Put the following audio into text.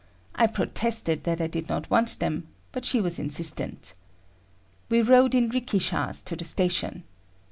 I protested that I did not want them, but she was insistent.[A] We rode in rikishas to the station.